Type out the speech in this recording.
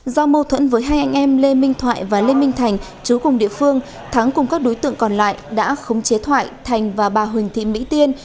do mâu thuẫn với hai anh em lê minh thoại và lê minh thành chú cùng địa phương thắng cùng các đối tượng còn lại đã khống chế thoại thành và bà huỳnh thị mỹ tiên